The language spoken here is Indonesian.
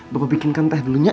bapak bikinkan teh dulu ya